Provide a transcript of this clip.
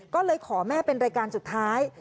ก็เลยขอแม่เป็นรายการสุดท้าย